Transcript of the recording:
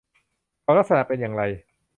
เขาลักษณะเป็นอย่างไร